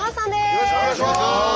よろしくお願いします。